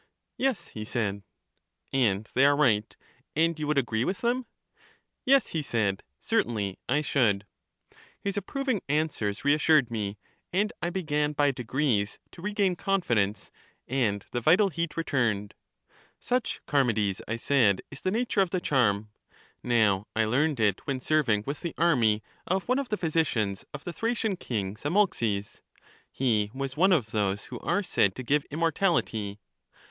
Yes, he said. And they are right, and you would agree with them? Yes, he said, certainly I should. His approving answers reassured me, and I began by degrees to regain confidence, and the vital heat returned. Such, Charmides, I said, is the nature of 12 CHARMIDES the chaxm. Now I learned it when serving with the army, of one of the physicians of the Thracian king, Zamolxis. He was one of those who are said to give immortality.